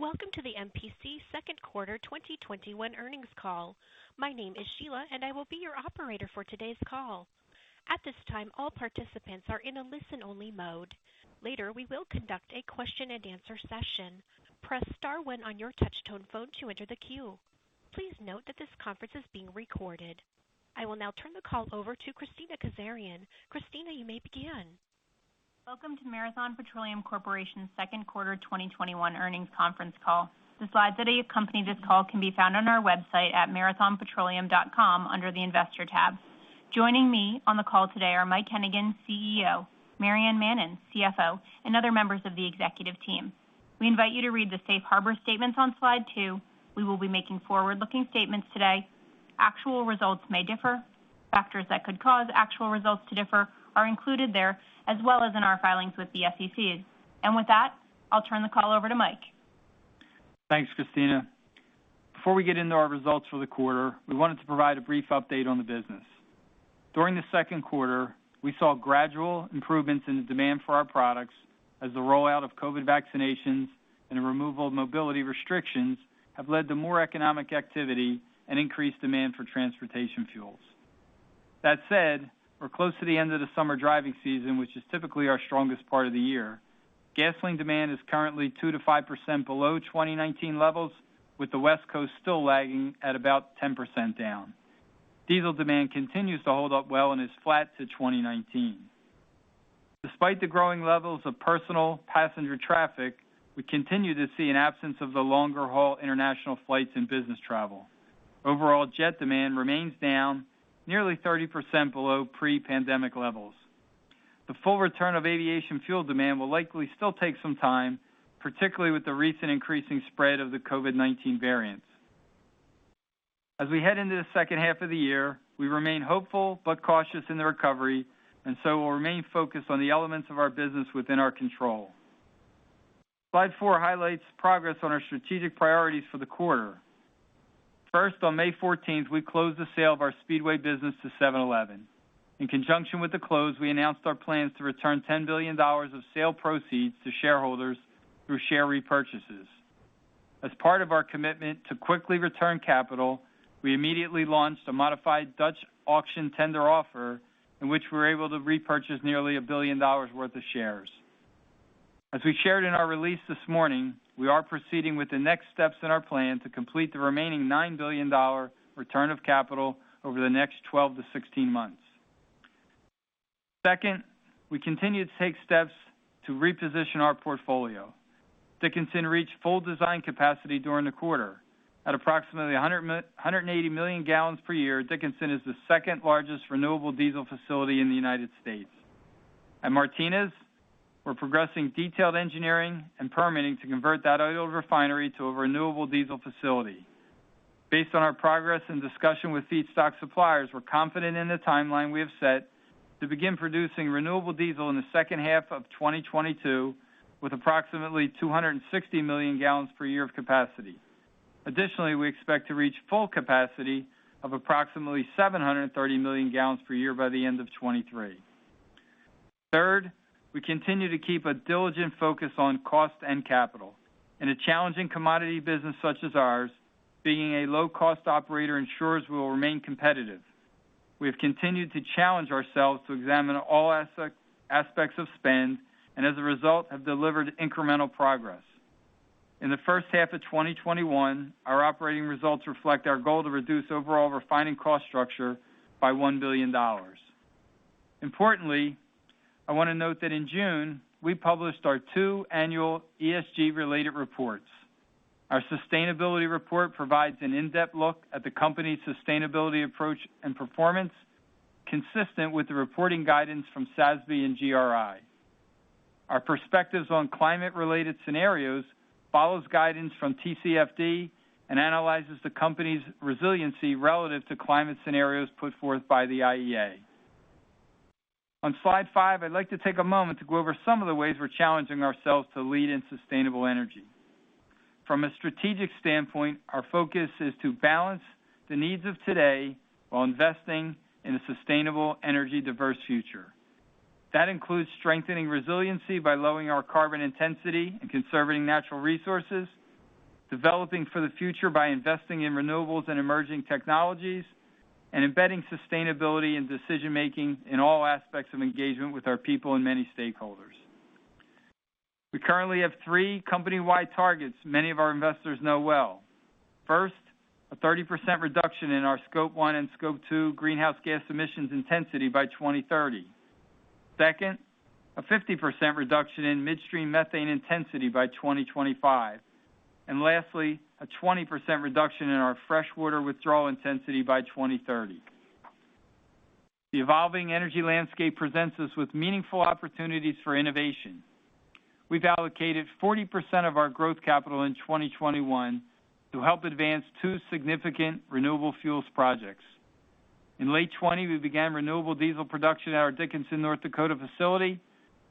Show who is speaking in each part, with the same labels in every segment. Speaker 1: Welcome to the MPC second quarter 2021 earnings call. My name is Sheila and I will be your operator for today's call. At this time, all participants are in a listen-only mode. Later, we will conduct a question and answer session. Press star one on your touch-tone phone to enter the queue. Please note that this conference is being recorded. I will now turn the call over to Kristina Kazarian. Kristina, you may begin.
Speaker 2: Welcome to Marathon Petroleum Corporation's second quarter 2021 earnings conference call. The slides that accompany this call can be found on our website at marathonpetroleum.com under the Investor tab. Joining me on the call today are Mike Hennigan, CEO, Maryann Mannen, CFO, and other members of the executive team. We invite you to read the safe harbor statements on slide two. We will be making forward-looking statements today. Actual results may differ. Factors that could cause actual results to differ are included there as well as in our filings with the SEC. With that, I'll turn the call over to Mike.
Speaker 3: Thanks, Kristina. Before we get into our results for the quarter, we wanted to provide a brief update on the business. During the second quarter, we saw gradual improvements in the demand for our products as the rollout of COVID vaccinations and the removal of mobility restrictions have led to more economic activity and increased demand for transportation fuels. We're close to the end of the summer driving season, which is typically our strongest part of the year. Gasoline demand is currently 2%-5% below 2019 levels, with the West Coast still lagging at about 10% down. Diesel demand continues to hold up well and is flat to 2019. Despite the growing levels of personal passenger traffic, we continue to see an absence of the longer-haul international flights and business travel. Overall jet demand remains down nearly 30% below pre-pandemic levels. The full return of aviation fuel demand will likely still take some time, particularly with the recent increasing spread of the COVID-19 variants. As we head into the second half of the year, we remain hopeful but cautious in the recovery, we'll remain focused on the elements of our business within our control. Slide four highlights progress on our strategic priorities for the quarter. First, on May 14th, we closed the sale of our Speedway business to 7-Eleven. In conjunction with the close, we announced our plans to return $10 billion of sale proceeds to shareholders through share repurchases. As part of our commitment to quickly return capital, we immediately launched a modified Dutch auction tender offer in which we were able to repurchase nearly $1 billion worth of shares. As we shared in our release this morning, we are proceeding with the next steps in our plan to complete the remaining $9 billion return of capital over the next 12-16 months. We continue to take steps to reposition our portfolio. Dickinson reached full design capacity during the quarter. At approximately 180 million gallons per year, Dickinson is the second-largest renewable diesel facility in the U.S. At Martinez, we're progressing detailed engineering and permitting to convert that oil refinery to a renewable diesel facility. Based on our progress and discussion with feedstock suppliers, we're confident in the timeline we have set to begin producing renewable diesel in the second half of 2022, with approximately 260 million gal per year of capacity. We expect to reach full capacity of approximately 730 million gal per year by the end of 2023. Third, we continue to keep a diligent focus on cost and capital. In a challenging commodity business such as ours, being a low-cost operator ensures we will remain competitive. We have continued to challenge ourselves to examine all aspects of spend, and as a result, have delivered incremental progress. In the first half of 2021, our operating results reflect our goal to reduce overall refining cost structure by $1 billion. Importantly, I want to note that in June, we published our two annual ESG-related reports. Our sustainability report provides an in-depth look at the company's sustainability approach and performance consistent with the reporting guidance from SASB and GRI. Our perspectives on climate-related scenarios follows guidance from TCFD and analyzes the company's resiliency relative to climate scenarios put forth by the IEA. On slide five, I'd like to take a moment to go over some of the ways we're challenging ourselves to lead in sustainable energy. From a strategic standpoint, our focus is to balance the needs of today while investing in a sustainable energy diverse future. That includes strengthening resiliency by lowering our carbon intensity and conserving natural resources, developing for the future by investing in renewables and emerging technologies, and embedding sustainability in decision-making in all aspects of engagement with our people and many stakeholders. We currently have three company-wide targets many of our investors know well. First, a 30% reduction in our Scope 1 and Scope 2 greenhouse gas emissions intensity by 2030. Second, a 50% reduction in midstream methane intensity by 2025. Lastly, a 20% reduction in our freshwater withdrawal intensity by 2030. The evolving energy landscape presents us with meaningful opportunities for innovation. We've allocated 40% of our growth capital in 2021 to help advance two significant renewable fuels projects. In late 2020, we began renewable diesel production at our Dickinson, North Dakota facility,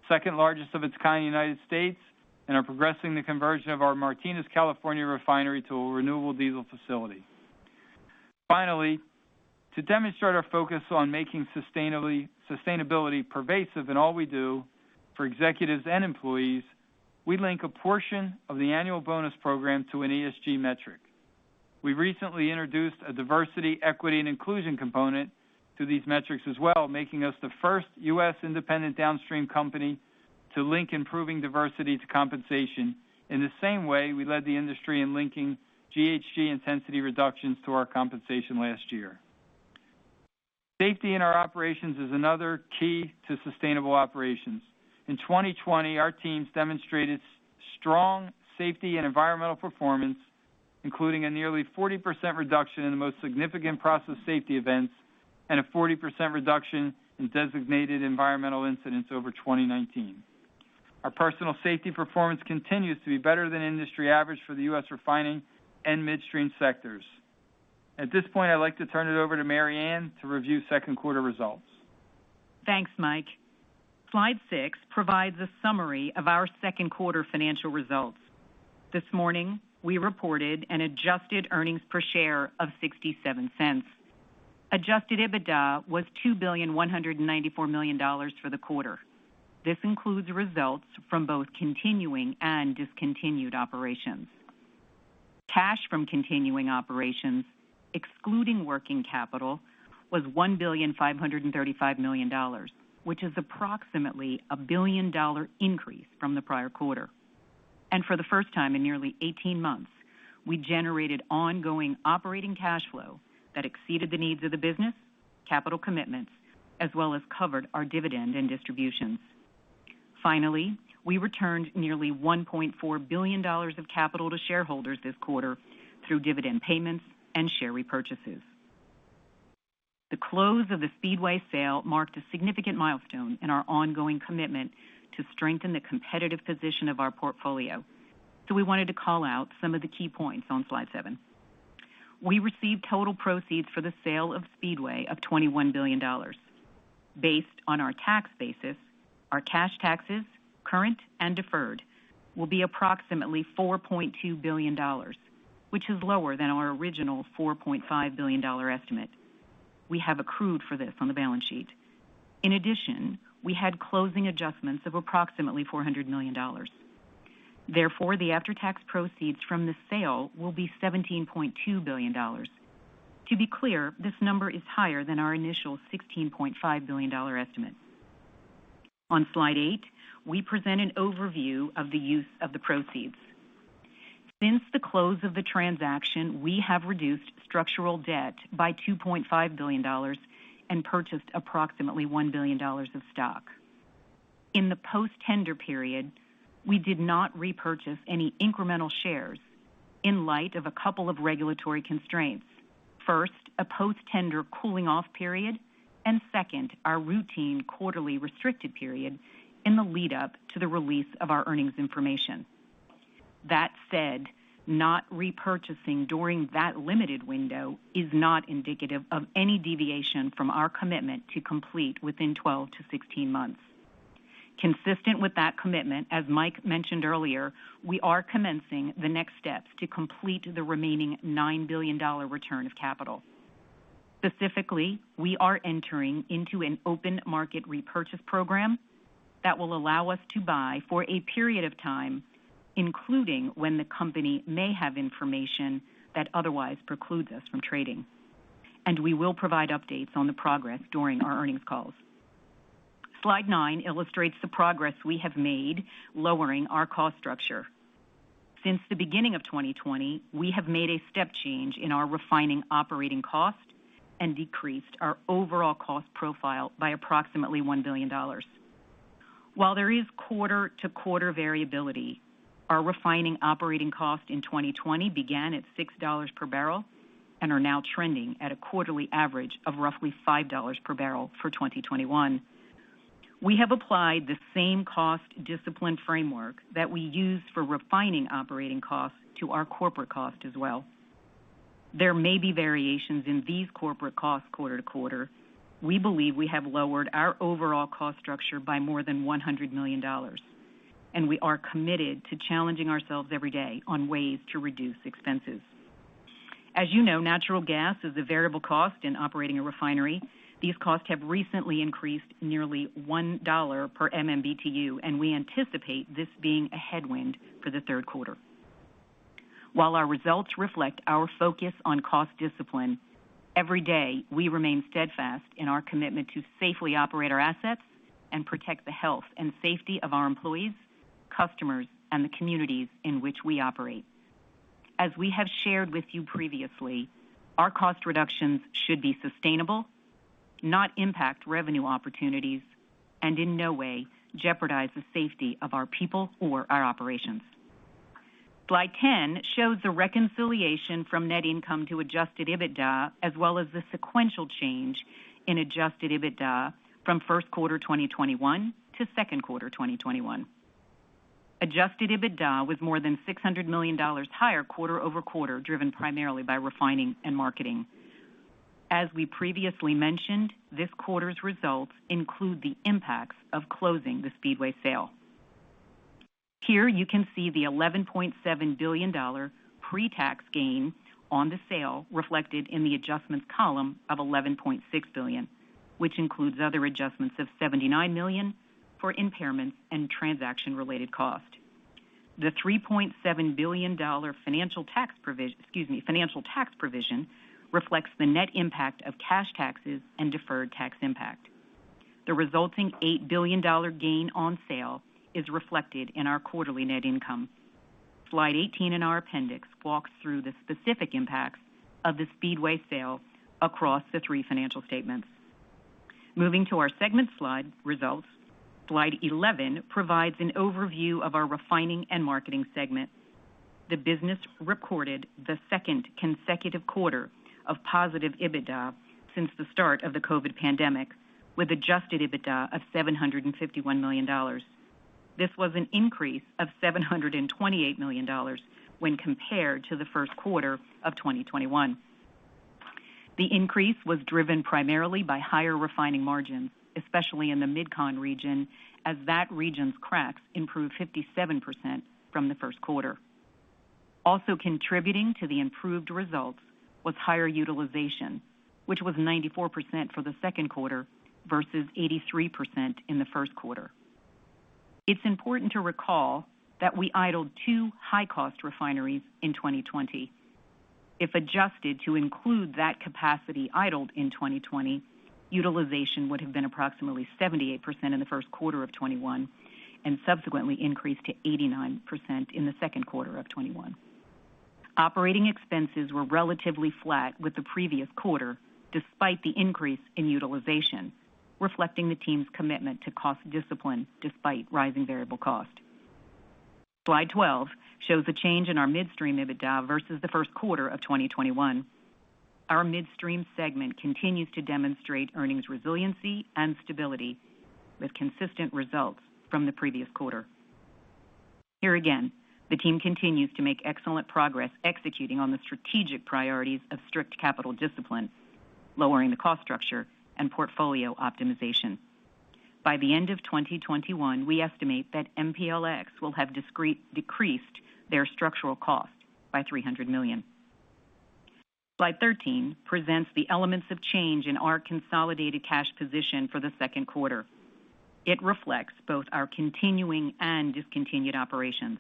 Speaker 3: second largest of its kind in the U.S., and are progressing the conversion of our Martinez, California refinery to a renewable diesel facility. To demonstrate our focus on making sustainability pervasive in all we do for executives and employees, we link a portion of the annual bonus program to an ESG metric. We recently introduced a diversity, equity, and inclusion component to these metrics as well, making us the first U.S. independent downstream company to link improving diversity to compensation in the same way we led the industry in linking GHG intensity reductions to our compensation last year. Safety in our operations is another key to sustainable operations. In 2020, our teams demonstrated strong safety and environmental performance, including a nearly 40% reduction in the most significant process safety events and a 40% reduction in designated environmental incidents over 2019. Our personal safety performance continues to be better than industry average for the U.S. refining and midstream sectors. At this point, I'd like to turn it over to Maryann to review second quarter results.
Speaker 4: Thanks, Mike. Slide six provides a summary of our second quarter financial results. This morning, we reported an adjusted earnings per share of $0.67. Adjusted EBITDA was $2.194 billion for the quarter. This includes results from both continuing and discontinued operations. Cash from continuing operations, excluding working capital, was $1.535 billion, which is approximately a billion-dollar increase from the prior quarter. For the first time in nearly 18 months, we generated ongoing operating cash flow that exceeded the needs of the business, capital commitments, as well as covered our dividend and distributions. Finally, we returned nearly $1.4 billion of capital to shareholders this quarter through dividend payments and share repurchases. The close of the Speedway sale marked a significant milestone in our ongoing commitment to strengthen the competitive position of our portfolio. We wanted to call out some of the key points on Slide seven. We received total proceeds for the sale of Speedway of $21 billion. Based on our tax basis, our cash taxes, current and deferred, will be approximately $4.2 billion, which is lower than our original $4.5 billion estimate. We have accrued for this on the balance sheet. In addition, we had closing adjustments of approximately $400 million. Therefore, the after-tax proceeds from the sale will be $17.2 billion. To be clear, this number is higher than our initial $16.5 billion estimate. On slide eight, we present an overview of the use of the proceeds. Since the close of the transaction, we have reduced structural debt by $2.5 billion and purchased approximately $1 billion of stock. In the post-tender period, we did not repurchase any incremental shares in light of a couple of regulatory constraints. First, a post-tender cooling off period, and second, our routine quarterly restricted period in the lead up to the release of our earnings information. That said, not repurchasing during that limited window is not indicative of any deviation from our commitment to complete within 12-16 months. Consistent with that commitment, as Mike mentioned earlier, we are commencing the next steps to complete the remaining $9 billion return of capital. Specifically, we are entering into an open market repurchase program that will allow us to buy for a period of time, including when the company may have information that otherwise precludes us from trading. We will provide updates on the progress during our earnings calls. Slide nine illustrates the progress we have made lowering our cost structure. Since the beginning of 2020, we have made a step change in our refining operating cost and decreased our overall cost profile by approximately $1 billion. While there is quarter-to-quarter variability, our refining operating cost in 2020 began at $6 per bbl and are now trending at a quarterly average of roughly $5 per bbl for 2021. We have applied the same cost discipline framework that we used for refining operating costs to our corporate cost as well. There may be variations in these corporate costs quarter-to-quarter. We believe we have lowered our overall cost structure by more than $100 million, and we are committed to challenging ourselves every day on ways to reduce expenses. As you know, natural gas is a variable cost in operating a refinery. These costs have recently increased nearly $1 per MMBTU, and we anticipate this being a headwind for the third quarter. While our results reflect our focus on cost discipline, every day, we remain steadfast in our commitment to safely operate our assets and protect the health and safety of our employees, customers, and the communities in which we operate. As we have shared with you previously, our cost reductions should be sustainable, not impact revenue opportunities, and in no way jeopardize the safety of our people or our operations. Slide 10 shows the reconciliation from net income to adjusted EBITDA as well as the sequential change in adjusted EBITDA from first quarter 2021 to second quarter 2021. Adjusted EBITDA was more than $600 million higher quarter-over-quarter, driven primarily by refining and marketing. As we previously mentioned, this quarter's results include the impacts of closing the Speedway sale. Here you can see the $11.7 billion pre-tax gain on the sale reflected in the adjustments column of $11.6 billion, which includes other adjustments of $79 million for impairments and transaction-related cost. The $3.7 billion financial tax provision reflects the net impact of cash taxes and deferred tax impact. The resulting $8 billion gain on sale is reflected in our quarterly net income. Slide 18 in our appendix walks through the specific impacts of the Speedway sale across the three financial statements. Moving to our segment slide results. Slide 11 provides an overview of our refining and marketing segment. The business recorded the second consecutive quarter of positive EBITDA since the start of the COVID pandemic, with adjusted EBITDA of $751 million. This was an increase of $728 million when compared to Q1 2021. The increase was driven primarily by higher refining margins, especially in the MidCon region, as that region's cracks improved 57% from Q1. Contributing to the improved results was higher utilization, which was 94% for Q2 versus 83% in Q1. It's important to recall that we idled two high-cost refineries in 2020. If adjusted to include that capacity idled in 2020, utilization would have been approximately 78% in Q1 2021, and subsequently increased to 89% in Q2 2021. Operating expenses were relatively flat with the previous quarter, despite the increase in utilization, reflecting the team's commitment to cost discipline despite rising variable cost. Slide 12 shows the change in our midstream EBITDA versus Q1 2021. Our midstream segment continues to demonstrate earnings resiliency and stability with consistent results from the previous quarter. Here again, the team continues to make excellent progress executing on the strategic priorities of strict capital discipline, lowering the cost structure and portfolio optimization. By the end of 2021, we estimate that MPLX will have decreased their structural cost by $300 million. Slide 13 presents the elements of change in our consolidated cash position for the second quarter. It reflects both our continuing and discontinued operations.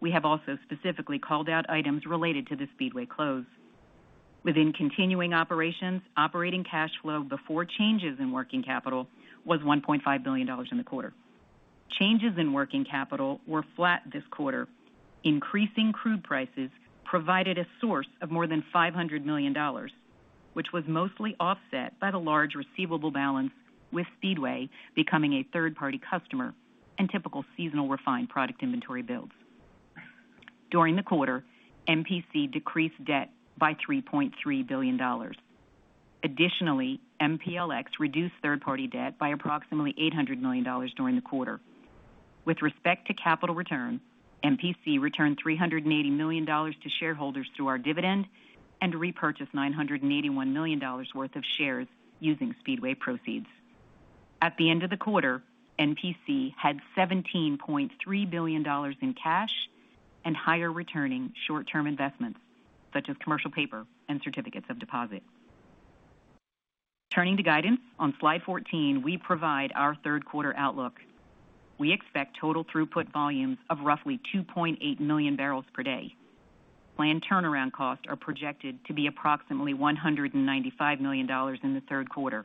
Speaker 4: We have also specifically called out items related to the Speedway close. Within continuing operations, operating cash flow before changes in working capital was $1.5 billion in the quarter. Changes in working capital were flat this quarter. Increasing crude prices provided a source of more than $500 million, which was mostly offset by the large receivable balance, with Speedway becoming a third-party customer and typical seasonal refined product inventory builds. During the quarter, MPC decreased debt by $3.3 billion. Additionally, MPLX reduced third-party debt by approximately $800 million during the quarter. With respect to capital return, MPC returned $380 million to shareholders through our dividend and repurchased $981 million worth of shares using Speedway proceeds. At the end of the quarter, MPC had $17.3 billion in cash and higher returning short-term investments, such as commercial paper and certificates of deposit. Turning to guidance on Slide 14, we provide our third-quarter outlook. We expect total throughput volumes of roughly 2.8 million bbl per day. Planned turnaround costs are projected to be approximately $195 million in the third quarter.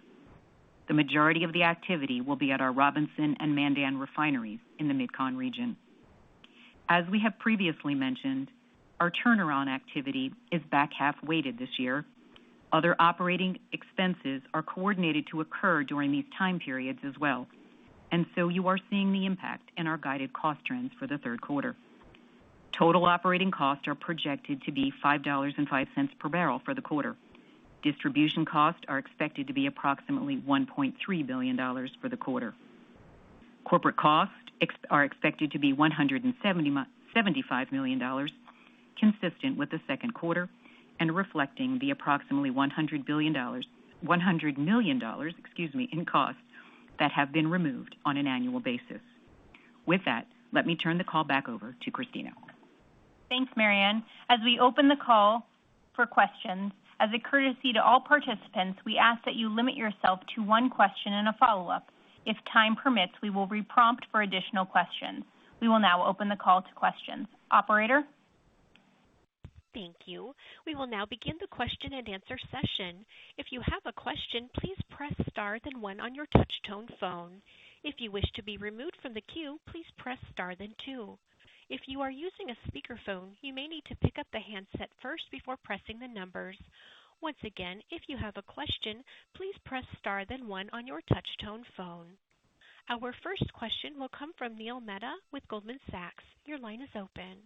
Speaker 4: The majority of the activity will be at our Robinson and Mandan refineries in the MidCon region. As we have previously mentioned, our turnaround activity is back-half weighted this year. Other operating expenses are coordinated to occur during these time periods as well, and so you are seeing the impact in our guided cost trends for the third quarter. Total operating costs are projected to be $5.05 per bbl for the quarter. Distribution costs are expected to be approximately $1.3 billion for the quarter. Corporate costs are expected to be $175 million, consistent with the second quarter and reflecting the approximately $100 million in costs that have been removed on an annual basis. With that, let me turn the call back over to Kristina.
Speaker 2: Thanks, Maryann. As we open the call for questions, as a courtesy to all participants, we ask that you limit yourself to one question and a follow-up. If time permits, we will re-prompt for additional questions. We will now open the call to questions. Operator?
Speaker 1: Thank you. We will now begin the question-and-answer session. If you have a question, please press star then one on your touch-tone phone. If you wish to be removed from the queue, please press star then two. If you are using a speakerphone, you may need to pick up the handset first before pressing the numbers. Once again, if you have a question, please press star then one on your touch-tone phone. Our first question will come from Neil Mehta with Goldman Sachs. Your line is open.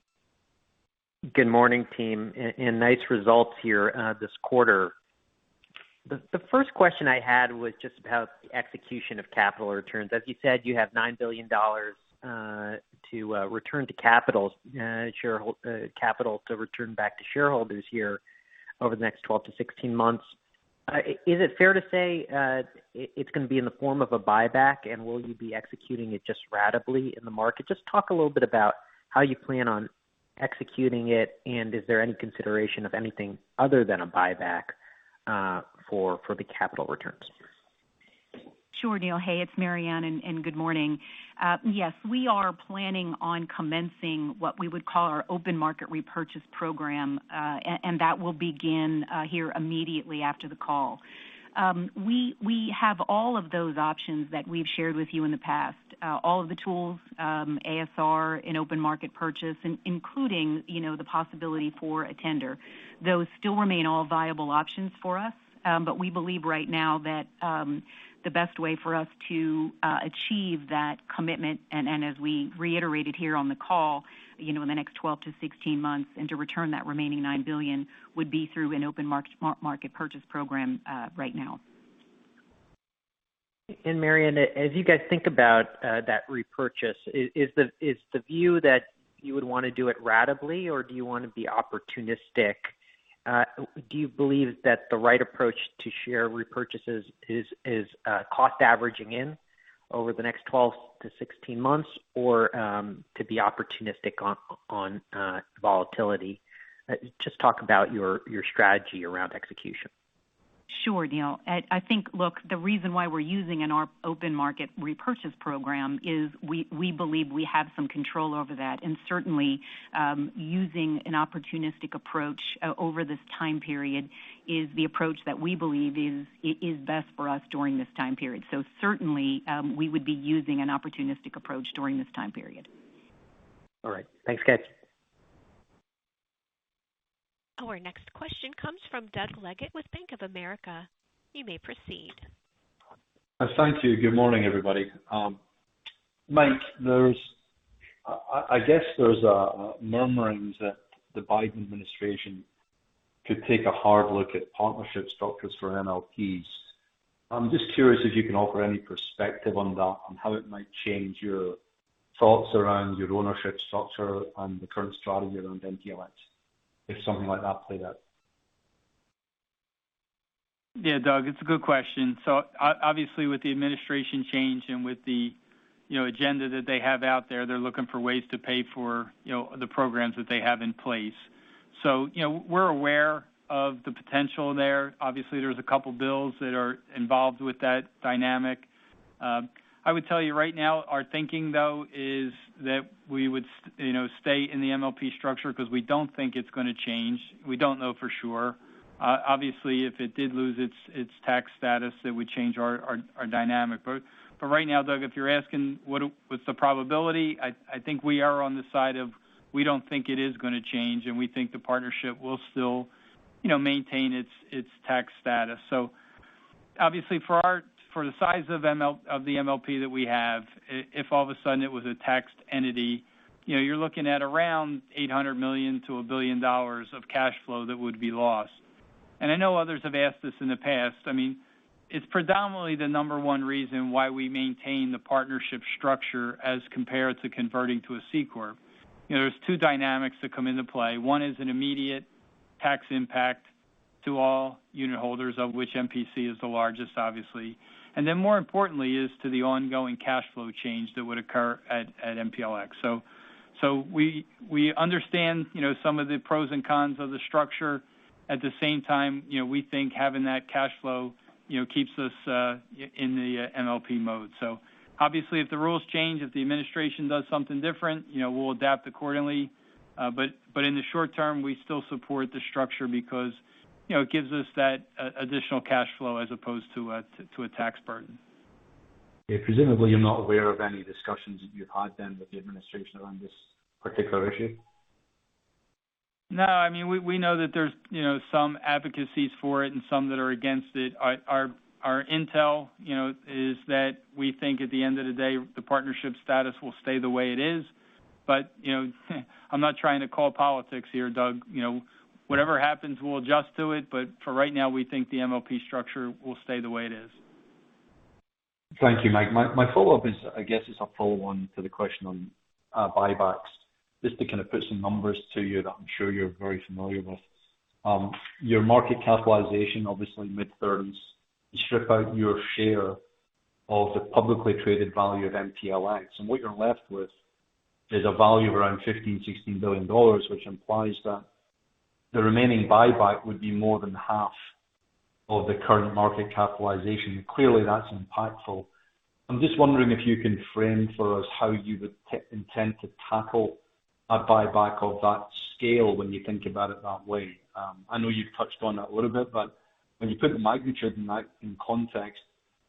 Speaker 5: Good morning team, nice results here this quarter. The first question I had was just about the execution of capital returns. As you said you have $9 billion capital to return back to shareholders here over the next 12-16 months. Is it fair to say it's going to be in the form of a buyback, and will you be executing it just ratably in the market? Just talk a little bit about how you plan on executing it, and is there any consideration of anything other than a buyback for the capital returns?
Speaker 4: Sure, Neil. Hey, it's Maryann. Good morning. Yes, we are planning on commencing what we would call our open market repurchase program. That will begin here immediately after the call. We have all of those options that we've shared with you in the past. All of the tools, ASR and open market purchase, including the possibility for a tender. Those still remain all viable options for us. We believe right now that the best way for us to achieve that commitment, and as we reiterated here on the call, in the next 12-16 months and to return that remaining $9 billion, would be through an open market purchase program right now.
Speaker 5: Maryann, as you guys think about that repurchase, is the view that you would want to do it ratably, or do you want to be opportunistic? Do you believe that the right approach to share repurchases is cost averaging in over the next 12-16 months or to be opportunistic on volatility? Just talk about your strategy around execution.
Speaker 4: Sure, Neil. I think, look, the reason why we're using an open market repurchase program is we believe we have some control over that, and certainly, using an opportunistic approach over this time period is the approach that we believe is best for us during this time period. Certainly, we would be using an opportunistic approach during this time period.
Speaker 5: All right. Thanks, guys.
Speaker 1: Our next question comes from Doug Leggate with Bank of America. You may proceed.
Speaker 6: Thank you. Good morning, everybody. Mike, I guess there's a murmuring that the Biden administration could take a hard look at partnership structures for MLPs. I'm just curious if you can offer any perspective on that, on how it might change your thoughts around your ownership structure and the current strategy around MPLX, if something like that played out.
Speaker 3: Yeah. Doug, it's a good question. Obviously, with the administration change and with the agenda that they have out there, they're looking for ways to pay for the programs that they have in place. We're aware of the potential there. Obviously, there's a couple bills that are involved with that dynamic. I would tell you right now, our thinking, though, is that we would stay in the MLP structure because we don't think it's going to change. We don't know for sure. Obviously, if it did lose its tax status, it would change our dynamic. For right now, Doug, if you're asking what's the probability, I think we are on the side of we don't think it is going to change, and we think the partnership will still maintain its tax status. Obviously, for the size of the MLP that we have, if all of a sudden it was a taxed entity, you're looking at around $800 million-$1 billion of cash flow that would be lost. I know others have asked this in the past. It's predominantly the number one reason why we maintain the partnership structure as compared to converting to a C corp. There's two dynamics that come into play. One is an immediate tax impact to all unit holders, of which MPC is the largest, obviously, and then more importantly is to the ongoing cash flow change that would occur at MPLX. We understand some of the pros and cons of the structure. At the same time, we think having that cash flow keeps us in the MLP mode. Obviously, if the rules change, if the administration does something different, we'll adapt accordingly. In the short term, we still support the structure because it gives us that additional cash flow as opposed to a tax burden.
Speaker 6: Yeah. Presumably, you're not aware of any discussions that you've had then with the administration around this particular issue?
Speaker 3: No. We know that there's some advocacies for it and some that are against it. Our intel is that we think at the end of the day, the partnership status will stay the way it is. I'm not trying to call politics here, Doug. Whatever happens, we'll adjust to it. For right now, we think the MLP structure will stay the way it is.
Speaker 6: Thank you, Mike. My follow-up is, I guess, is a follow-on to the question on buybacks, just to kind of put some numbers to you that I'm sure you're very familiar with. Your market capitalization, obviously mid-30s, you strip out your share of the publicly traded value of MPLX, and what you're left with is a value around $15 billion-$16 billion, which implies that the remaining buyback would be more than half of the current market capitalization. Clearly, that's impactful. I'm just wondering if you can frame for us how you would intend to tackle a buyback of that scale when you think about it that way. I know you've touched on that a little bit, but when you put the magnitude in that in context,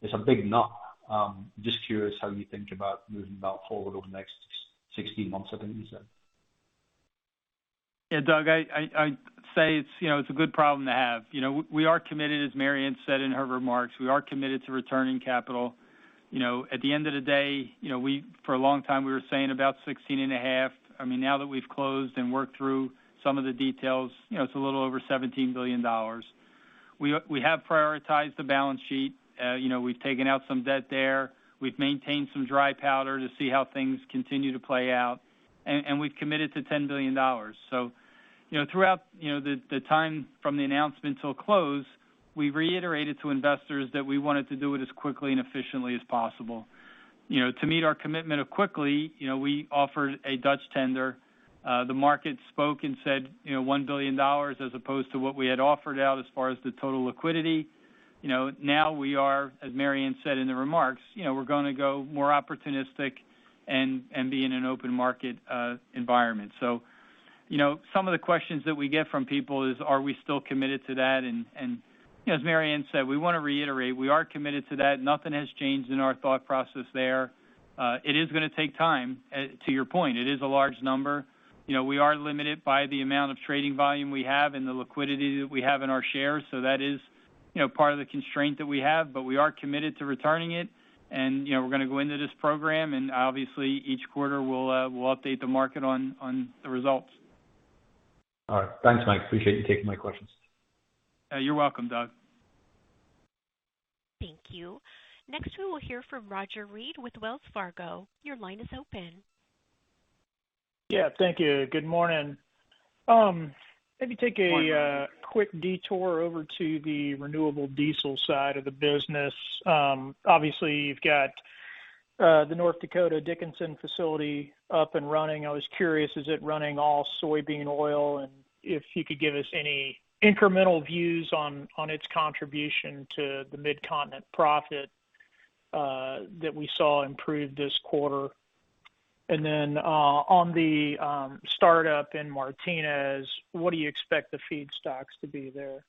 Speaker 6: it's a big nut. I'm just curious how you think about moving that forward over the next 16 months, I think you said.
Speaker 3: Yeah. Doug, I say it's a good problem to have. We are committed, as Maryann said in her remarks, we are committed to returning capital. At the end of the day, for a long time we were saying about 16 and a half. Now that we've closed and worked through some of the details, it's a little over $17 billion. We have prioritized the balance sheet. We've taken out some debt there. We've maintained some dry powder to see how things continue to play out, and we've committed to $10 billion. Throughout the time from the announcement till close, we reiterated to investors that we wanted to do it as quickly and efficiently as possible. To meet our commitment of quickly, we offered a Dutch tender. The market spoke and said $1 billion as opposed to what we had offered out as far as the total liquidity. We are, as Maryann said in the remarks, we're going to go more opportunistic and be in an open market environment. Some of the questions that we get from people is, are we still committed to that? As Maryann said, we want to reiterate, we are committed to that. Nothing has changed in our thought process there. It is going to take time. To your point, it is a large number. We are limited by the amount of trading volume we have and the liquidity that we have in our shares. That is part of the constraint that we have, but we are committed to returning it. We're going to go into this program, and obviously each quarter we'll update the market on the results.
Speaker 6: All right. Thanks, Mike. Appreciate you taking my questions.
Speaker 3: You're welcome, Doug.
Speaker 1: Thank you. Next, we will hear from Roger Read with Wells Fargo. Your line is open.
Speaker 7: Yeah, thank you. Good morning. Maybe take a quick detour over to the renewable diesel side of the business. Obviously, you've got the North Dakota Dickinson facility up and running. I was curious, is it running all soybean oil? If you could give us any incremental views on its contribution to the Midcontinent profit that we saw improve this quarter. On the startup in Martinez, what do you expect the feedstocks to be there?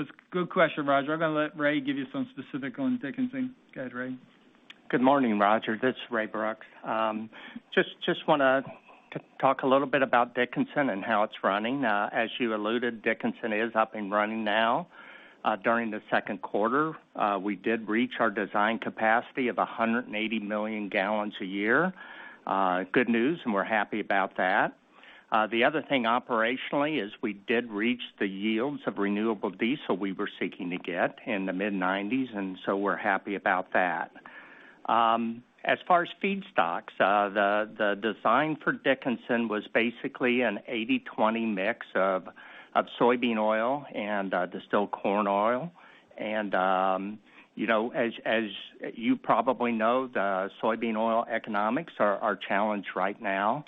Speaker 3: It's a good question, Roger. I'm going to let Ray give you some specific on Dickinson. Go ahead, Ray.
Speaker 8: Good morning, Roger. This is Ray Brooks. Just want to talk a little bit about Dickinson and how it's running. As you alluded, Dickinson is up and running now. During the second quarter, we did reach our design capacity of 180 million gal a year. Good news. We're happy about that. The other thing operationally is we did reach the yields of renewable diesel we were seeking to get in the mid-90s. We're happy about that. As far as feedstocks, the design for Dickinson was basically an 80/20 mix of soybean oil and distilled corn oil. As you probably know, the soybean oil economics are a challenge right now.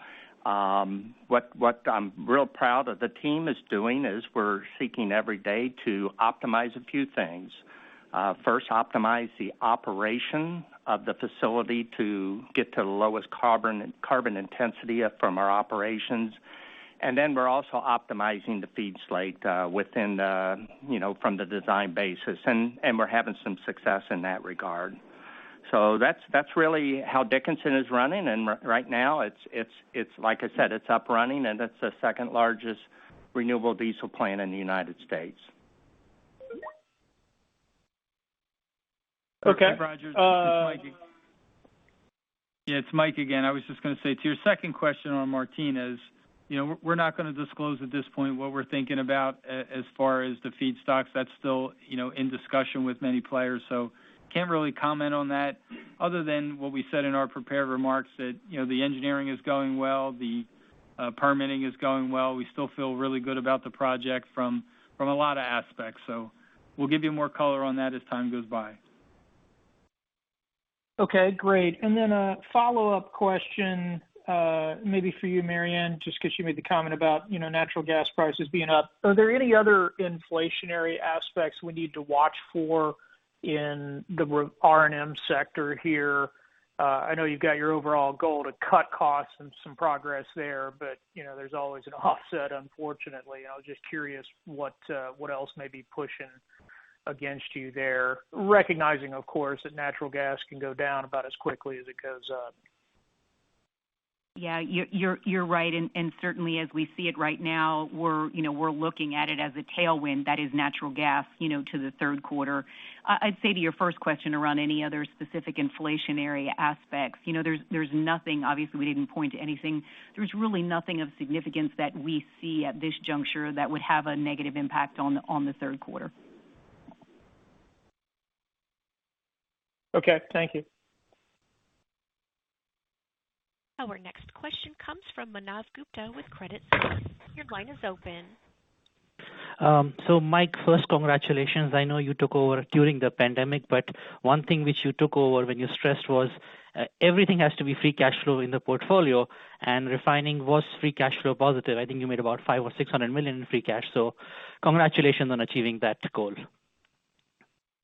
Speaker 8: What I'm real proud of the team is doing is we're seeking every day to optimize a few things. First, optimize the operation of the facility to get to the lowest carbon intensity from our operations. We're also optimizing the feed slate from the design basis, and we're having some success in that regard. That's really how Dickinson is running. Right now, like I said, it's up running, and it's the second largest renewable diesel plant in the United States.
Speaker 7: Okay.
Speaker 3: Yeah, it's Mike again. I was just going to say to your second question on Martinez, we're not going to disclose at this point what we're thinking about as far as the feedstocks. That's still in discussion with many players, so can't really comment on that other than what we said in our prepared remarks that the engineering is going well, the permitting is going well. We still feel really good about the project from a lot of aspects. We'll give you more color on that as time goes by.
Speaker 7: Okay, great. Then a follow-up question, maybe for you, Maryann, just because you made the comment about natural gas prices being up. Are there any other inflationary aspects we need to watch for in the R&M sector here? I know you've got your overall goal to cut costs and some progress there, but there's always an offset, unfortunately. I was just curious what else may be pushing against you there, recognizing, of course, that natural gas can go down about as quickly as it goes up.
Speaker 4: Yeah, you're right. Certainly, as we see it right now, we're looking at it as a tailwind that is natural gas to the third quarter. I'd say to your first question around any other specific inflationary aspects, there's nothing. Obviously, we didn't point to anything. There's really nothing of significance that we see at this juncture that would have a negative impact on the third quarter.
Speaker 7: Okay. Thank you.
Speaker 1: Our next question comes from Manav Gupta with Credit Suisse. Your line is open.
Speaker 9: Mike, first, congratulations. I know you took over during the pandemic, but one thing which you took over when you stressed was everything has to be free cash flow in the portfolio and refining was free cash flow positive. I think you made about $500 million or $600 million in free cash. Congratulations on achieving that goal.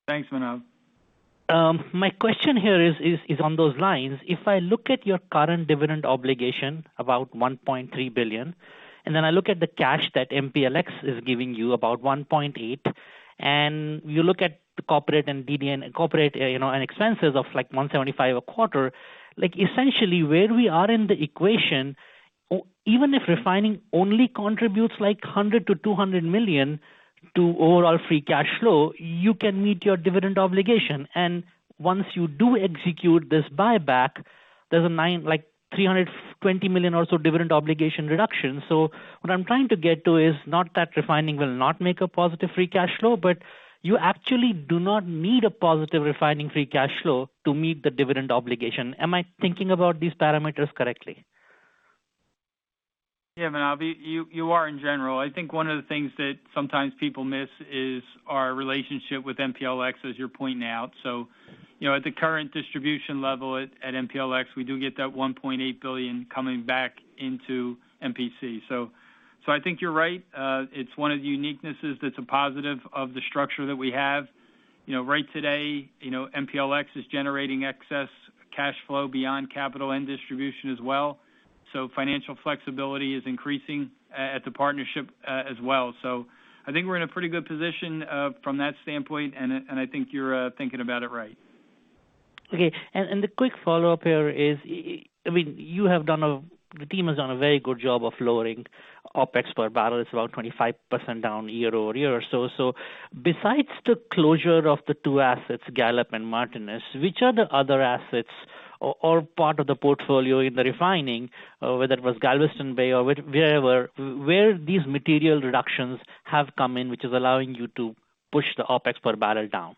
Speaker 3: Thanks, Manav.
Speaker 9: My question here is on those lines. If I look at your current dividend obligation, about $1.3 billion, then I look at the cash that MPLX is giving you, about $1.8 billion, and you look at the corporate and DD&A and corporate and expenses of like $175 million a quarter, essentially where we are in the equation, even if refining only contributes like $100 million-$200 million to overall free cash flow, you can meet your dividend obligation. Once you do execute this buyback, there's a $320 million or so dividend obligation reduction. What I'm trying to get to is not that refining will not make a positive free cash flow, but you actually do not need a positive refining free cash flow to meet the dividend obligation. Am I thinking about these parameters correctly?
Speaker 3: Manav, you are in general. I think one of the things that sometimes people miss is our relationship with MPLX, as you're pointing out. At the current distribution level at MPLX, we do get that $1.8 billion coming back into MPC. I think you're right. It's one of the uniquenesses that's a positive of the structure that we have. Right today, MPLX is generating excess cash flow beyond capital and distribution as well. Financial flexibility is increasing at the partnership as well. I think we're in a pretty good position from that standpoint, and I think you're thinking about it right.
Speaker 9: Okay. The quick follow-up here is, the team has done a very good job of lowering OpEx per barrel. It is about 25% down year-over-year or so. Besides the closure of the two assets, Gallup and Martinez, which are the other assets or part of the portfolio in the refining, whether it was Galveston Bay or wherever, where these material reductions have come in, which is allowing you to push the OpEx per barrel down?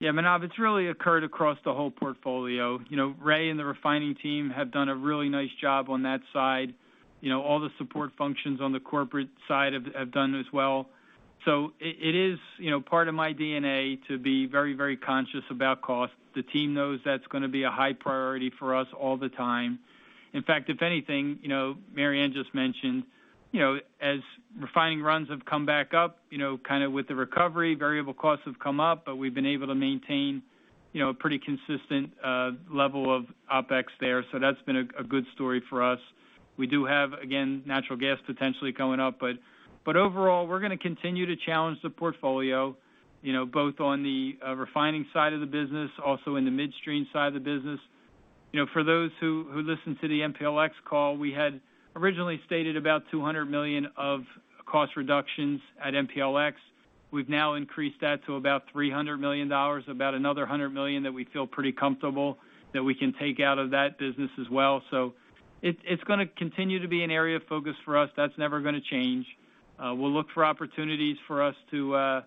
Speaker 3: Yeah, Manav, it's really occurred across the whole portfolio. Ray and the refining team have done a really nice job on that side. All the support functions on the corporate side have done as well. It is part of my DNA to be very conscious about cost. The team knows that's going to be a high priority for us all the time. In fact, if anything, Maryann just mentioned as refining runs have come back up with the recovery, variable costs have come up, but we've been able to maintain a pretty consistent level of OpEx there. That's been a good story for us. We do have, again, natural gas potentially going up, but overall, we're going to continue to challenge the portfolio both on the refining side of the business, also in the midstream side of the business. For those who listened to the MPLX call, we had originally stated about $200 million of cost reductions at MPLX. We've now increased that to about $300 million, about another $100 million that we feel pretty comfortable that we can take out of that business as well. It's going to continue to be an area of focus for us. That's never going to change. We'll look for opportunities for us to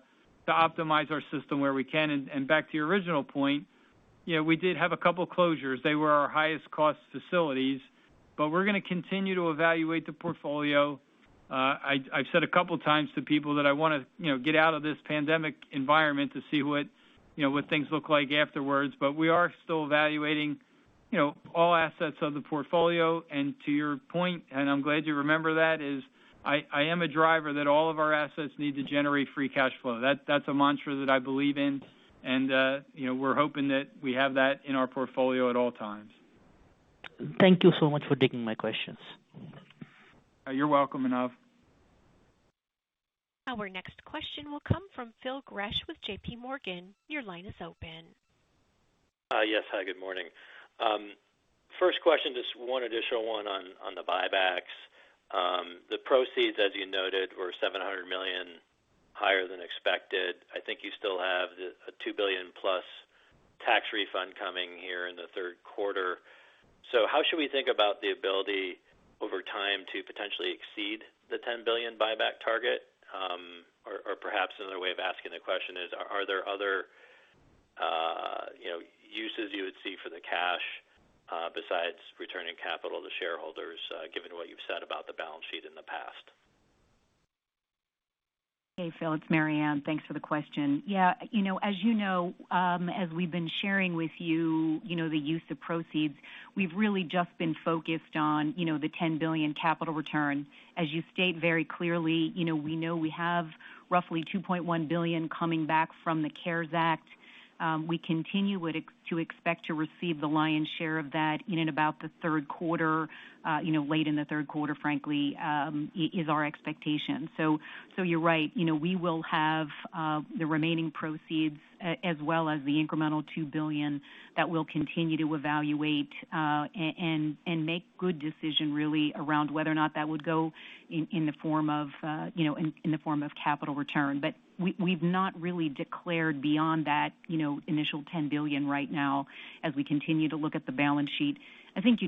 Speaker 3: optimize our system where we can. Back to your original point, we did have a couple closures. They were our highest cost facilities. We're going to continue to evaluate the portfolio. I've said a couple times to people that I want to get out of this pandemic environment to see what things look like afterwards. We are still evaluating all assets of the portfolio. To your point, and I'm glad you remember that, is I am a driver that all of our assets need to generate free cash flow. That's a mantra that I believe in, and we're hoping that we have that in our portfolio at all times.
Speaker 9: Thank you so much for taking my questions.
Speaker 3: You're welcome, Manav.
Speaker 1: Our next question will come from Phil Gresh with JPMorgan. Your line is open.
Speaker 10: Yes. Hi, good morning. First question, just one additional one on the buybacks. The proceeds, as you noted, were $700 million higher than expected. I think you still have a $2+ billion tax refund coming here in the third quarter. How should we think about the ability over time to potentially exceed the $10 billion buyback target? Perhaps another way of asking the question is, are there other uses you would see for the cash besides returning capital to shareholders given what you've said about the balance sheet in the past?
Speaker 4: Phil, it's Maryann. Thanks for the question. As you know, as we've been sharing with you the use of proceeds, we've really just been focused on the $10 billion capital return. As you state very clearly, we know we have roughly $2.1 billion coming back from the CARES Act. We continue to expect to receive the lion's share of that in and about the third quarter. Late in the third quarter, frankly, is our expectation. You're right. We will have the remaining proceeds as well as the incremental $2 billion that we'll continue to evaluate and make good decision really around whether or not that would go in the form of capital return. We've not really declared beyond that initial $10 billion right now as we continue to look at the balance sheet. I think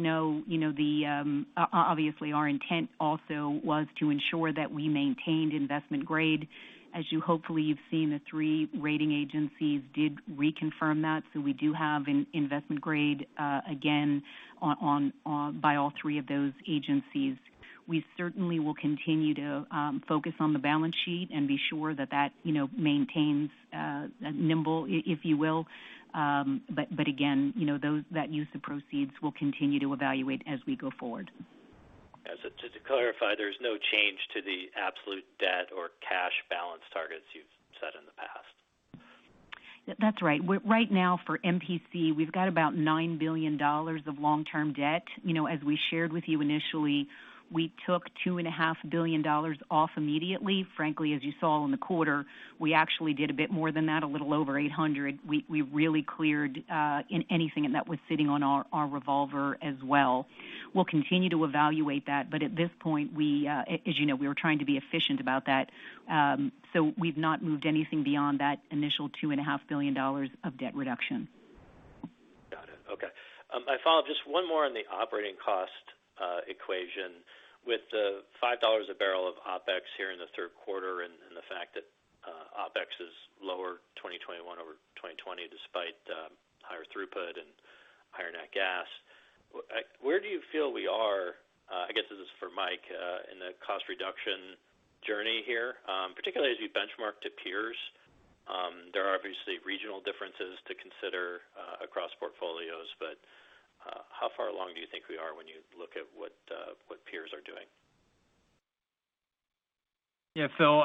Speaker 4: obviously our intent also was to ensure that we maintained investment grade. As you hopefully you've seen, the three rating agencies did reconfirm that. We do have an investment grade again by all three of those agencies. We certainly will continue to focus on the balance sheet and be sure that maintains nimble, if you will. Again, that use of proceeds we'll continue to evaluate as we go forward.
Speaker 10: Yeah. Just to clarify, there's no change to the absolute debt or cash balance targets you've set in the past?
Speaker 4: That's right. Right now for MPC, we've got about $9 billion of long-term debt. As we shared with you initially, we took $2.5 billion off immediately. Frankly, as you saw in the quarter, we actually did a bit more than that, a little over $800. We really cleared anything that was sitting on our revolver as well. We'll continue to evaluate that, but at this point as you know, we were trying to be efficient about that. We've not moved anything beyond that initial $2.5 billion of debt reduction.
Speaker 10: Got it. Okay. I follow up just one more on the operating cost equation. With the $5 a bbl of OpEx here in the third quarter and the fact that OpEx is lower 2021 over 2020, despite higher throughput and higher net gas. Where do you feel we are, I guess this is for Mike, in the cost reduction journey here, particularly as you benchmark to peers? There are obviously regional differences to consider across portfolios, how far along do you think we are when you look at what peers are doing?
Speaker 3: Yeah. Phil,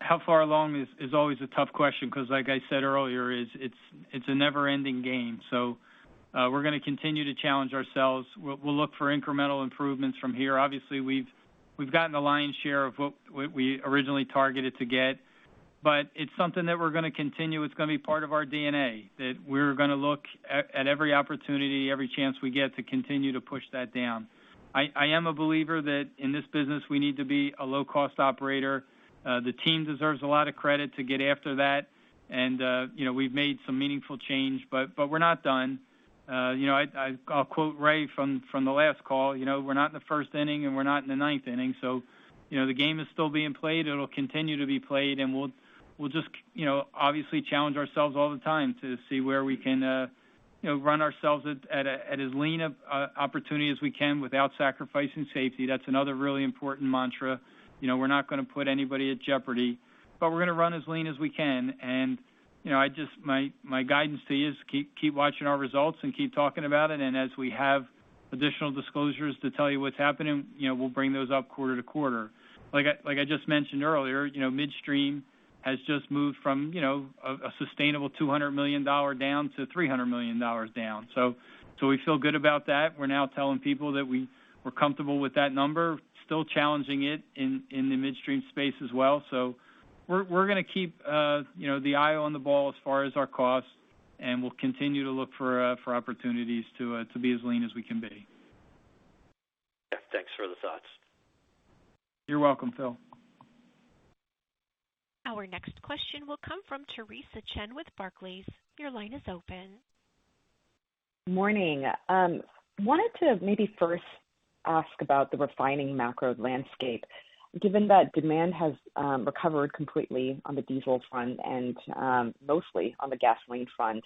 Speaker 3: how far along is always a tough question, because like I said earlier, it's a never-ending game. We're going to continue to challenge ourselves. We'll look for incremental improvements from here. Obviously, we've gotten the lion's share of what we originally targeted to get, but it's something that we're going to continue. It's going to be part of our DNA, that we're going to look at every opportunity, every chance we get to continue to push that down. I am a believer that in this business, we need to be a low-cost operator. The team deserves a lot of credit to get after that, and we've made some meaningful change, but we're not done. I'll quote Ray from the last call. We're not in the first inning, and we're not in the ninth inning, so the game is still being played. It'll continue to be played, and we'll just obviously challenge ourselves all the time to see where we can run ourselves at as lean an opportunity as we can without sacrificing safety. That's another really important mantra. We're not going to put anybody at jeopardy, but we're going to run as lean as we can. My guidance to you is keep watching our results and keep talking about it, and as we have additional disclosures to tell you what's happening, we'll bring those up quarter to quarter. Like I just mentioned earlier, midstream has just moved from a sustainable $200 million down to $300 million down. We feel good about that. We're now telling people that we're comfortable with that number, still challenging it in the midstream space as well. We're going to keep the eye on the ball as far as our costs, and we'll continue to look for opportunities to be as lean as we can be.
Speaker 10: Yeah. Thanks for the thoughts.
Speaker 3: You're welcome, Phil.
Speaker 1: Our next question will come from Theresa Chen with Barclays. Your line is open.
Speaker 11: Morning. Wanted to maybe first ask about the refining macro landscape. Given that demand has recovered completely on the diesel front and mostly on the gasoline front,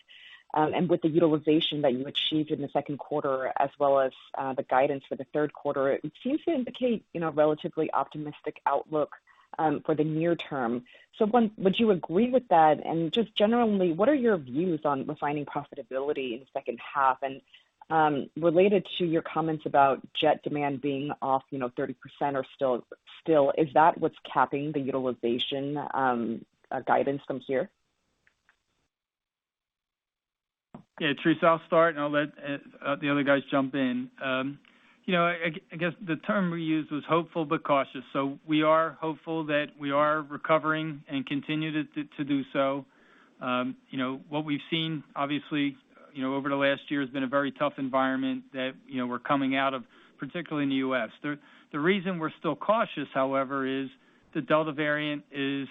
Speaker 11: with the utilization that you achieved in the second quarter as well as the guidance for the third quarter, it seems to indicate a relatively optimistic outlook for the near term. One, would you agree with that? Just generally, what are your views on refining profitability in the second half? Related to your comments about jet demand being off 30% or still, is that what's capping the utilization guidance from here?
Speaker 3: Yeah, Theresa, I'll start, and I'll let the other guys jump in. I guess the term we used was hopeful but cautious. We are hopeful that we are recovering and continue to do so. What we've seen, obviously, over the last year has been a very tough environment that we're coming out of, particularly in the U.S. The reason we're still cautious, however, is the Delta variant is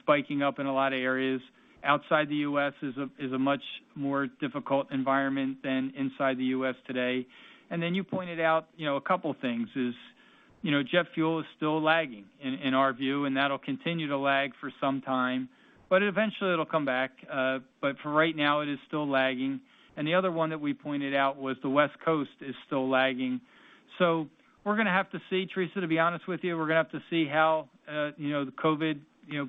Speaker 3: spiking up in a lot of areas. Outside the U.S. is a much more difficult environment than inside the U.S. today. You pointed out a couple of things is jet fuel is still lagging in our view, and that'll continue to lag for some time, but eventually it'll come back. For right now, it is still lagging. The other one that we pointed out was the West Coast is still lagging. We're going to have to see, Theresa, to be honest with you. We're going to have to see how the COVID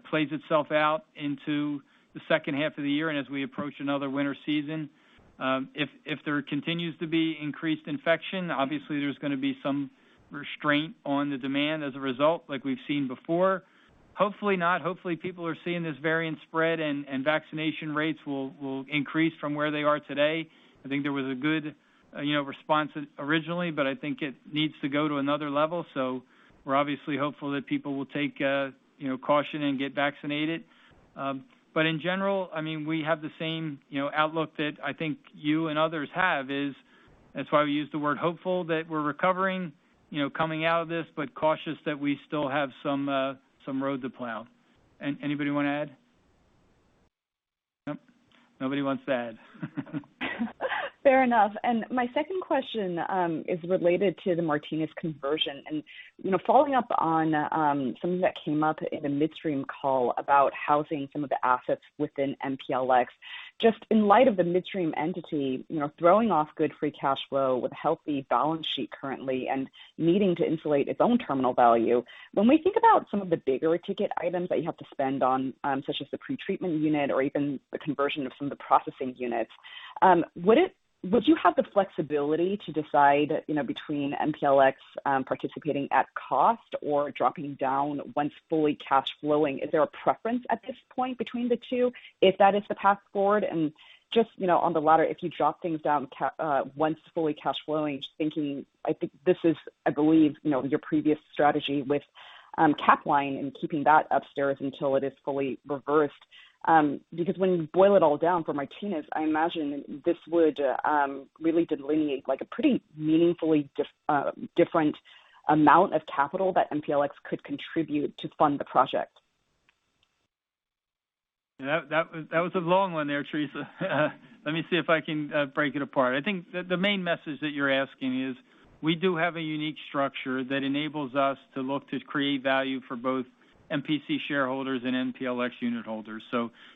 Speaker 3: plays itself out into the second half of the year and as we approach another winter season. If there continues to be increased infection, obviously there's going to be some restraint on the demand as a result like we've seen before. Hopefully not. Hopefully people are seeing this variant spread and vaccination rates will increase from where they are today. I think there was a good response originally, but I think it needs to go to another level. We're obviously hopeful that people will take caution and get vaccinated. In general, we have the same outlook that I think you and others have is that's why we use the word hopeful that we're recovering, coming out of this, but cautious that we still have some road to plow. Anybody want to add? Nope. Nobody wants to add.
Speaker 11: Fair enough. My second question is related to the Martinez conversion and following up on something that came up in the midstream call about housing some of the assets within MPLX. Just in light of the midstream entity throwing off good free cash flow with a healthy balance sheet currently and needing to insulate its own terminal value, when we think about some of the bigger ticket items that you have to spend on, such as the pretreatment unit or even the conversion of some of the processing units, would you have the flexibility to decide between MPLX participating at cost or dropping down once fully cash flowing? Is there a preference at this point between the two if that is the path forward? Just on the latter, if you drop things down once fully cash flowing, just thinking, I think this is, I believe, your previous strategy with Capline and keeping that upstairs until it is fully reversed. When you boil it all down for Martinez, I imagine this would really delineate like a pretty meaningfully different amount of capital that MPLX could contribute to fund the project.
Speaker 3: That was a long one there, Theresa. Let me see if I can break it apart. I think the main message that you're asking is, we do have a unique structure that enables us to look to create value for both MPC shareholders and MPLX unitholders.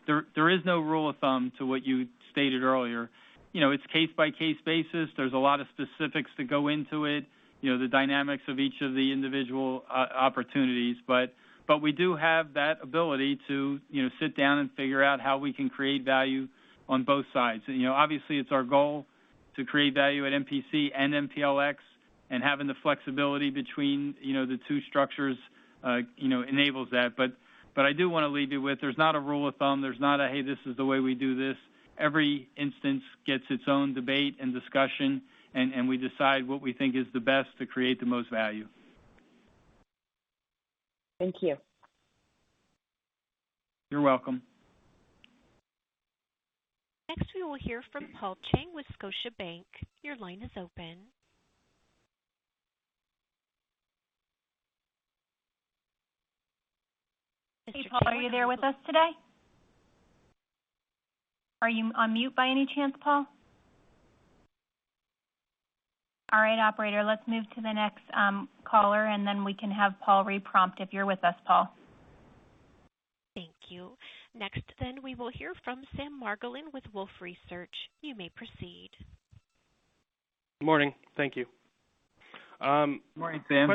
Speaker 3: There is no rule of thumb to what you stated earlier. It's case-by-case basis. There's a lot of specifics that go into it, the dynamics of each of the individual opportunities. We do have that ability to sit down and figure out how we can create value on both sides. Obviously, it's our goal to create value at MPC and MPLX, and having the flexibility between the two structures enables that. I do want to leave you with, there's not a rule of thumb. There's not a, "Hey, this is the way we do this." Every instance gets its own debate and discussion, and we decide what we think is the best to create the most value.
Speaker 11: Thank you.
Speaker 3: You're welcome.
Speaker 1: Next, we will hear from Paul Cheng with Scotiabank. Your line is open.
Speaker 2: Mr. Paul, are you there with us today? Are you on mute by any chance, Paul? All right, operator, let's move to the next caller, and then we can have Paul re-prompt if you're with us, Paul.
Speaker 1: Thank you. Next then, we will hear from Sam Margolin with Wolfe Research. You may proceed.
Speaker 12: Morning. Thank you.
Speaker 3: Morning, Sam.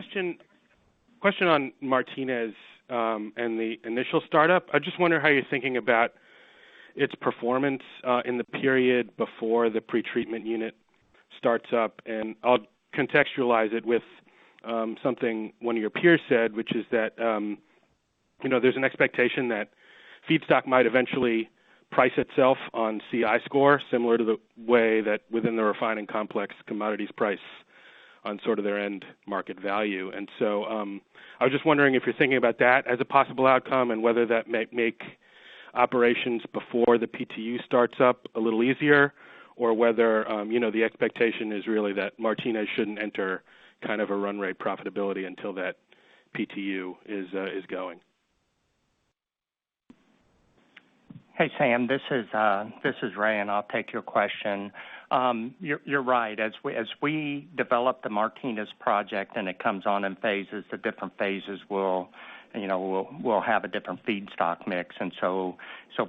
Speaker 12: Question on Martinez and the initial startup. I just wonder how you're thinking about its performance in the period before the pretreatment unit starts up. I'll contextualize it with something one of your peers said, which is that there's an expectation that feedstock might eventually price itself on CI score, similar to the way that within the refining complex commodities price on sort of their end market value. I was just wondering if you're thinking about that as a possible outcome and whether that might make operations before the PTU starts up a little easier or whether the expectation is really that Martinez shouldn't enter kind of a run rate profitability until that PTU is going.
Speaker 8: Hey, Sam. This is Ray. I'll take your question. You're right. As we develop the Martinez project, it comes on in phases. The different phases will have a different feedstock mix.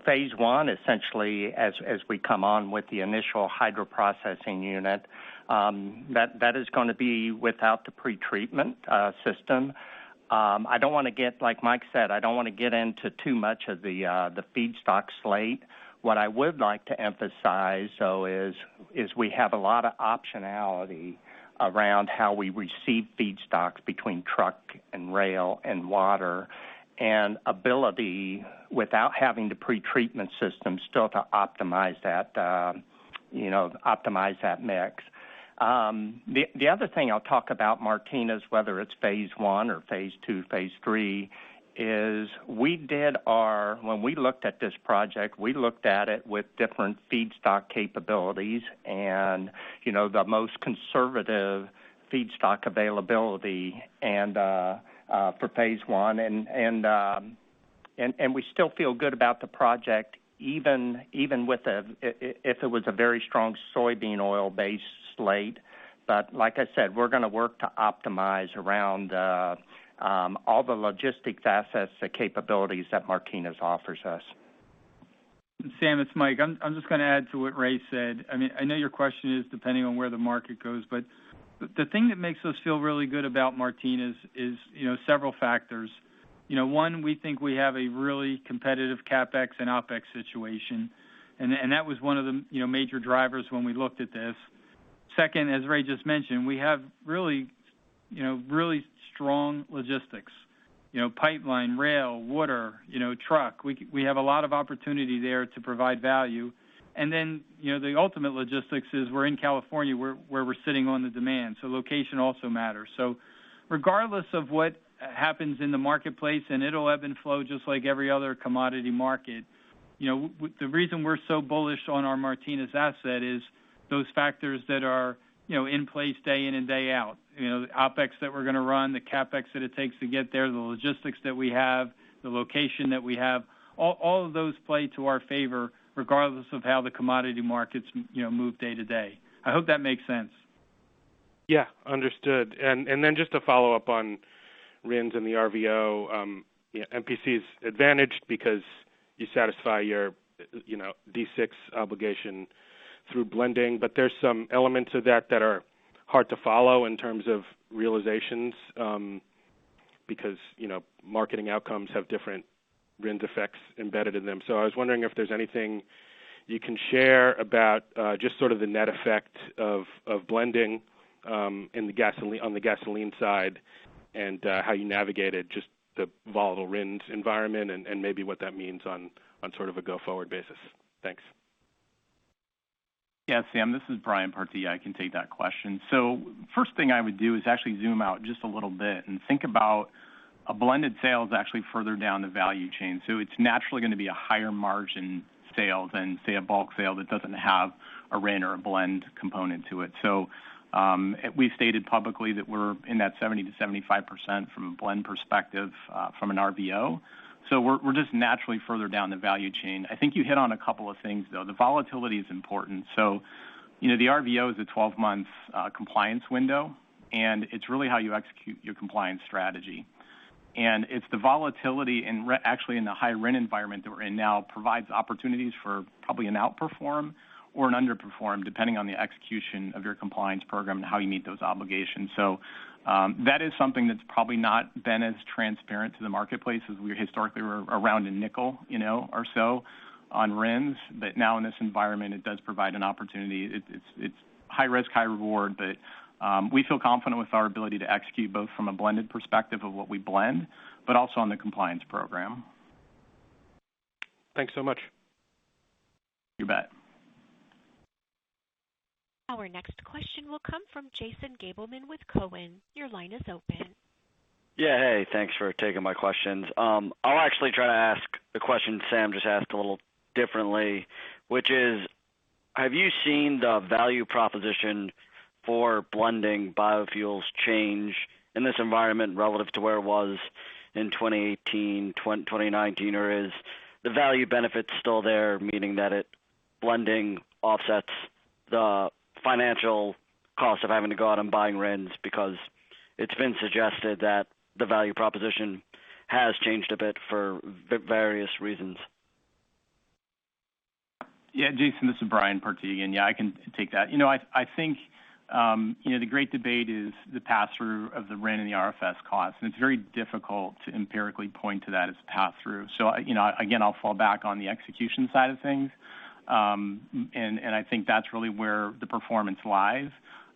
Speaker 8: Phase 1, essentially, as we come on with the initial hydroprocessing unit, that is going to be without the pretreatment system. Like Mike said, I don't want to get into too much of the feedstock slate. I would like to emphasize, though, is we have a lot of optionality around how we receive feedstocks between truck and rail and water, and ability, without having the pretreatment system, still to optimize that mix. The other thing I'll talk about Martinez, whether it's Phase 1 or Phase 2, Phase 3, is when we looked at this project, we looked at it with different feedstock capabilities and the most conservative feedstock availability for Phase 1. We still feel good about the project, even if it was a very strong soybean oil-based slate. Like I said, we're going to work to optimize around all the logistics assets, the capabilities that Martinez offers us.
Speaker 3: Sam, it's Mike. I'm just going to add to what Ray said. I know your question is depending on where the market goes, but the thing that makes us feel really good about Martinez is several factors. One, we think we have a really competitive CapEx and OpEx situation, and that was one of the major drivers when we looked at this. Two, as Ray just mentioned, we have really strong logistics. Pipeline, rail, water, truck. We have a lot of opportunity there to provide value. The ultimate logistics is we're in California, where we're sitting on the demand. Location also matters. Regardless of what happens in the marketplace, and it'll ebb and flow just like every other commodity market. The reason we're so bullish on our Martinez asset is those factors that are in place day in and day out. The OpEx that we're going to run, the CapEx that it takes to get there, the logistics that we have, the location that we have, all of those play to our favor regardless of how the commodity markets move day to day. I hope that makes sense.
Speaker 12: Yeah. Understood. Then just to follow up on RINs and the RVO, MPC is advantaged because you satisfy your D6 obligation through blending. There's some elements of that that are hard to follow in terms of realizations, because marketing outcomes have different RINs effects embedded in them. I was wondering if there's anything you can share about just sort of the net effect of blending on the gasoline side and how you navigate it, just the volatile RINs environment and maybe what that means on sort of a go-forward basis. Thanks.
Speaker 13: Yeah, Sam, this is Brian Partee. I can take that question. First thing I would do is actually zoom out just a little bit. A blended sale is actually further down the value chain, so it's naturally going to be a higher margin sale than, say, a bulk sale that doesn't have a RIN or a blend component to it. We've stated publicly that we're in that 70%-75% from a blend perspective from an RVO. We're just naturally further down the value chain. I think you hit on a couple of things, though. The volatility is important. The RVO is a 12-month compliance window, and it's really how you execute your compliance strategy. It's the volatility, and actually in the high RIN environment that we're in now, provides opportunities for probably an outperform or an underperform, depending on the execution of your compliance program and how you meet those obligations. That is something that's probably not been as transparent to the marketplace as we historically were around $0.05 or so on RINs. Now in this environment, it does provide an opportunity. It's high risk, high reward, but we feel confident with our ability to execute, both from a blended perspective of what we blend, but also on the compliance program.
Speaker 12: Thanks so much.
Speaker 13: You bet.
Speaker 1: Our next question will come from Jason Gabelman with Cowen. Your line is open.
Speaker 14: Yeah. Hey, thanks for taking my questions. I'll actually try to ask the question Sam just asked a little differently, which is, have you seen the value proposition for blending biofuels change in this environment relative to where it was in 2018, 2019, or is the value benefit still there, meaning that blending offsets the financial cost of having to go out and buying RINs? It's been suggested that the value proposition has changed a bit for various reasons.
Speaker 13: Jason, this is Brian Partee, I can take that. I think the great debate is the pass-through of the RIN and the RFS cost. It's very difficult to empirically point to that as pass-through. Again, I'll fall back on the execution side of things. I think that's really where the performance lies.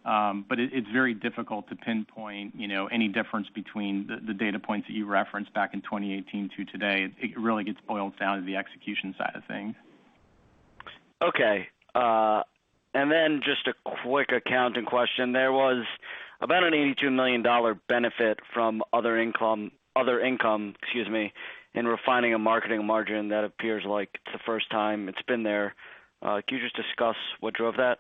Speaker 13: It's very difficult to pinpoint any difference between the data points that you referenced back in 2018 to today. It really gets boiled down to the execution side of things.
Speaker 14: Okay. Just a quick accounting question. There was about an $82 million benefit from other income in Refining and Marketing margin. That appears like it's the first time it's been there. Could you just discuss what drove that?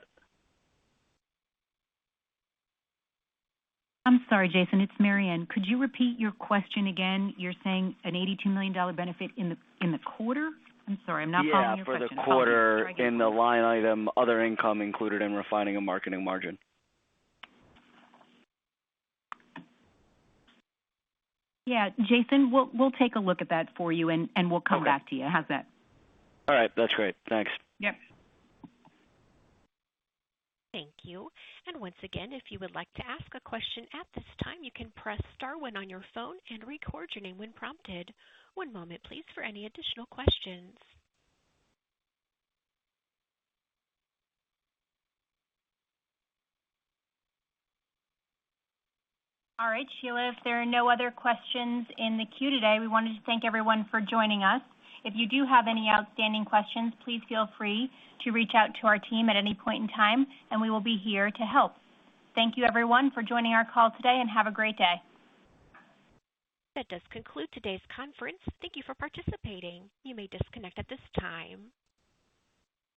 Speaker 4: I'm sorry, Jason, it's Maryann. Could you repeat your question again? You're saying an $82 million benefit in the quarter? I'm sorry. I'm not following your question.
Speaker 14: Yeah, for the quarter in the line item other income included in Refining and Marketing margin.
Speaker 4: Yeah. Jason, we'll take a look at that for you and we'll come back to you. How's that?
Speaker 14: All right. That's great. Thanks.
Speaker 4: Yep.
Speaker 1: Thank you. And once again, if you would like to ask a question at this time, you can press star one on your phone and record your name when prompted. One moment, please, for any additional questions.
Speaker 2: All right, Sheila, if there are no other questions in the queue today, we wanted to thank everyone for joining us. If you do have any outstanding questions, please feel free to reach out to our team at any point in time, and we will be here to help. Thank you, everyone, for joining our call today, and have a great day.
Speaker 1: That does conclude today's conference. Thank you for participating. You may disconnect at this time.